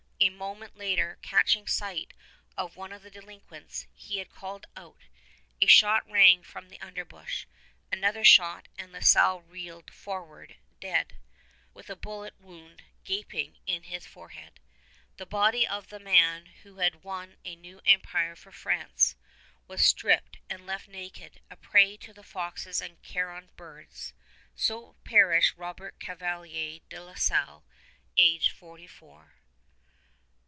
A moment later, catching sight of one of the delinquents, he had called out. A shot rang from the underbush; another shot; and La Salle reeled forward dead, with a bullet wound gaping in his forehead. The body of the man who had won a new empire for France was stripped and left naked, a prey to the foxes and carrion birds. So perished Robert Cavelier de La Salle, aged forty four.